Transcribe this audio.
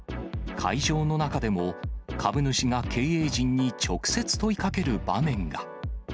会場の中でも、株主が経営陣に直接問いかける場面が。